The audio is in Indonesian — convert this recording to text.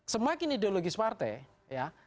semakin ideologis partai ya